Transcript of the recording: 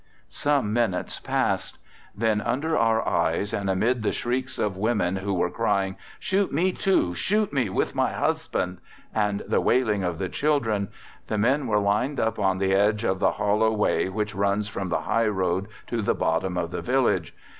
"Some minutes passed: then under our eyes and amid the shrieks of women who were crying 'Shoot me too; shoot me with my husband!' and the wailing of the children, the men were lined up on the edge of the hollow way which runs from the high road to the bottom of the village.